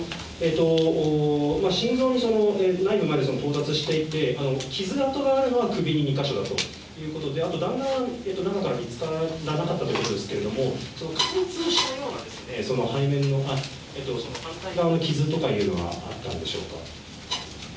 心臓の内部にまで到達していて、傷痕があるのは首に２か所だということで、あと弾丸、中から見つからなかったということなんですけれども、貫通したような、背面の、その反対側の傷とかいうのはあったんでしょうか。